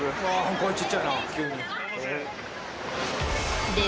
声ちっちゃいな急に。